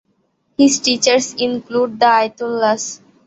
His teachers include the Ayatollahs.